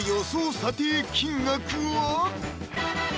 査定金額は？